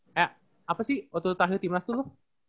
eee apa sih waktu terakhir timnas tuh lu